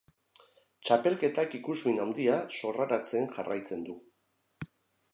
Txapelketak ikusmin handia sorraratzen jarraitzen du.